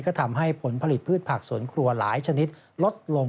ก็ทำให้ผลผลิตพืชผักสวนครัวหลายชนิดลดลง